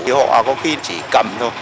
họ có khi chỉ cầm thôi